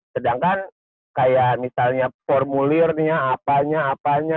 sedangkan kayak misalnya formulirnya apanya apanya